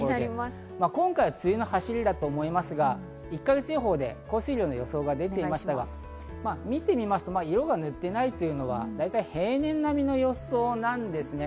今回は梅雨の走りだと思いますが、１か月予報で降水量の予想が出ていますから見てみますと、大体平年並みの予想なんですね。